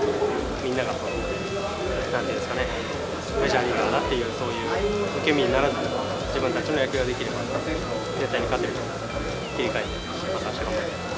みんなが、なんと言うんですかね、メジャーリーガーだからっていう、そういう受け身にならずに、自分たちの野球ができれば、絶対に勝てると思うので、切り替えてまたあす、頑張りたいと。